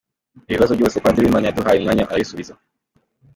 Ibi bibazo byose, Padiri Uwimana yaduhaye umwanya arabisubiza.